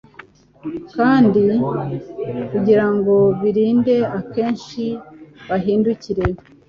kandi kugirango birinde akenshi bahindukire